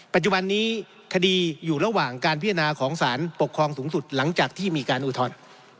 ปัจจุบันนี้คดีอยู่ระหว่างการพิจารณาของสารปกครองสูงสุดหลังจากที่มีการอุทธรณ์